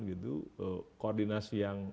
gitu koordinasi yang